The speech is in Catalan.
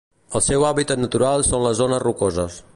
El seu hàbitat natural són les zones rocoses.